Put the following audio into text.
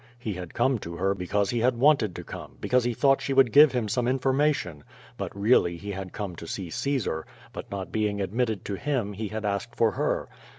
lie had come to her because he had wanted to come, because he thought she would give him some information; but really he liad come to see Caesar, but not being admitted to him he had asked for her.